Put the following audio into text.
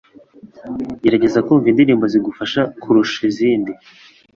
gerageza kumva indirimbo zigufasha kurusha izindi